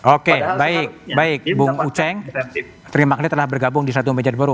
oke baik baik bung uceng terima kasih telah bergabung di satu meja baru